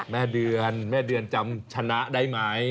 แม่เดือนแม่เดือนจำชนะได้ไหม